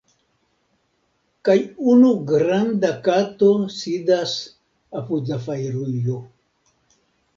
Kaj unu granda kato sidas apud la fajrujo.